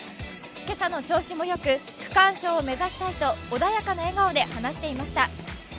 今朝の調子もよく、区間賞を目指したいと穏やかな笑顔で話していました。